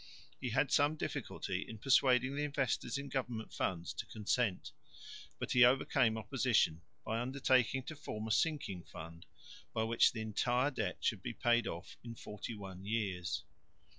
He had some difficulty in persuading the investors in government funds to consent, but he overcame opposition by undertaking to form a sinking fund by which the entire debt should be paid off in 41 years.